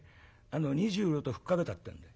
２０両と吹っかけたってんで。